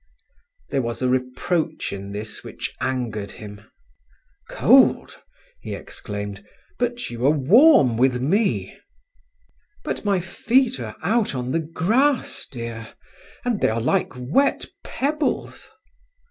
There was a reproach in this which angered him. "Cold!" he exclaimed. "But you are warm with me—" "But my feet are out on the grass, dear, and they are like wet pebbles."